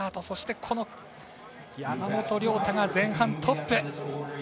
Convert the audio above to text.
そして、山本涼太が前半トップ。